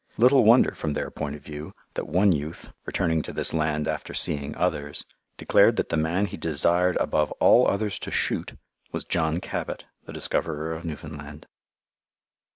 Little wonder from their point of view, that one youth, returning to this land after seeing others, declared that the man he desired above all others to shoot was John Cabot, the discoverer of Newfoundland.